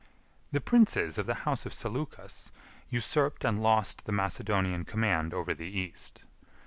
The princes of the house of Seleucus usurped and lost the Macedonian command over the East.